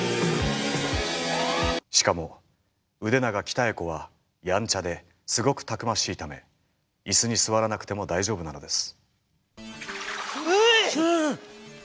しかも腕長鍛子はやんちゃですごくたくましいため椅子に座らなくても大丈夫なのです。